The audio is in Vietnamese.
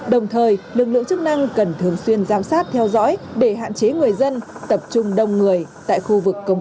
đồng thời lực lượng chức năng cần thường xuyên giám sát theo dõi để hạn chế người dân tập trung đông người tại khu vực công cộng